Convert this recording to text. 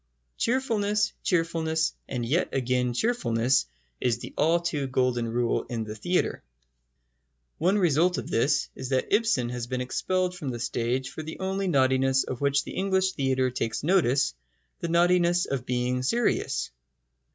Cheerfulness, cheerfulness, and yet again cheerfulness, is the all too golden rule in the theatre. One result of this is that Ibsen has been expelled from the stage for the only naughtiness of which the English theatre takes notice the naughtiness of being serious.